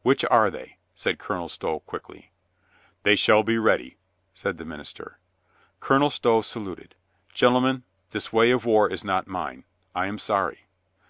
"Which are they?" said Colonel Stow quickly. "They shall be ready," said the minister. Colonel Stow saluted. "Gentlemen, this way of war is not mine. I am sorry."